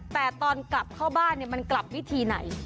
แต่ตอนกลับเข้าบ้านมันกลับวิธีไหน